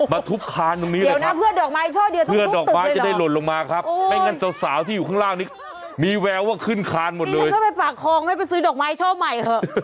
เมื่อดอกไม้จะได้หล่นลงมาครับไม่งั้นสาวที่อยู่ข้างล่างนี้มีแววว่าขึ้นคานหมดเลย